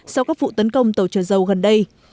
sau các vụ tấn công tàu trở dầu gần đây